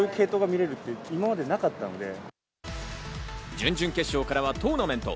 準々決勝からはトーナメント。